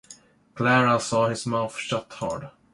Clara saw his mouth shut hard.